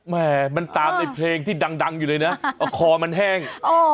แม่มันตามในเพลงที่ดังอยู่เลยนะคอมันแห้ง